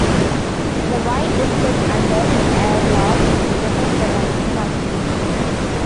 The wine is kept under an airlock to protect the wine from oxidation.